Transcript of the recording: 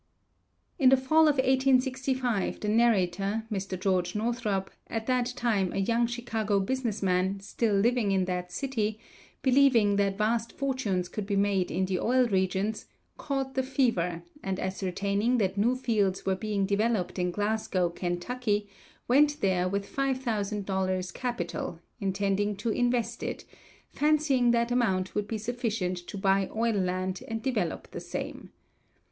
In the fall of 1865 the narrator, Mr. George Northrup, at that time a young Chicago business man, still living in that city, believing that vast fortunes could be made in the oil regions, caught the fever, and ascertaining that new fields were being developed in Glasgow, Ky., went there with $5,000 capital, intending to invest it, fancying that amount would be sufficient to buy oil land and develop the same.